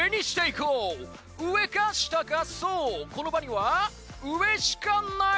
この場には上しかない！